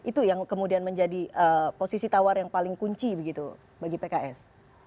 itu yang kemudian menjadi posisi tawar yang paling kunci begitu bagi pks